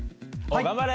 頑張れ！